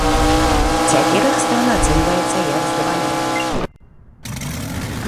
Цяпер іх стан ацэньваецца як здавальняючы.